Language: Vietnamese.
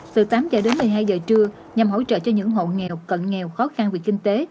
từ tám h đến một mươi hai giờ trưa nhằm hỗ trợ cho những hộ nghèo cận nghèo khó khăn về kinh tế